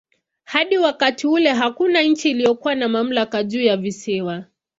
Hadi wakati ule hakuna nchi iliyokuwa na mamlaka juu ya visiwa.